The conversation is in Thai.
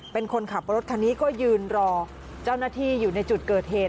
เป็นคนขับรถคันนี้ก็ยืนรอเจ้าหน้าที่อยู่ในจุดเกิดเหตุ